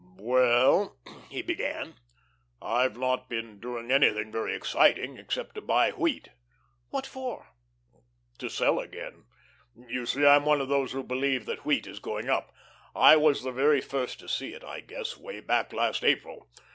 "Well," he began, "I've not been doing anything very exciting, except to buy wheat." "What for?" "To sell again. You see, I'm one of those who believe that wheat is going up. I was the very first to see it, I guess, way back last April.